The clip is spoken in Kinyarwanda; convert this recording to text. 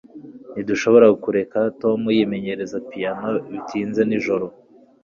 Ntidushobora kureka Tom yimenyereza piyano bitinze nijoro